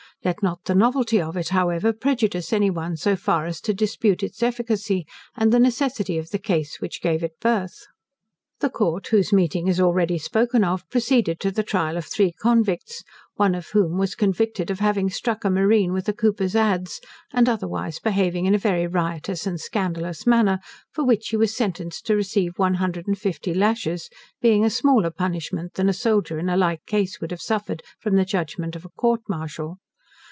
Let not the novelty of it, however, prejudice any one so far as to dispute its efficacy, and the necessity of the case which gave it birth. The court, whose meeting is already spoken of, proceeded to the trial of three convicts, one of whom was convicted of having struck a marine with a cooper's adze, and otherwise behaving in a very riotous and scandalous manner, for which he was sentenced to receive one hundred and fifty lashes, being a smaller punishment than a soldier in a like case would have suffered from the judgement of a court martial.